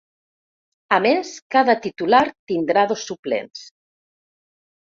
A més, cada titular tindrà dos suplents.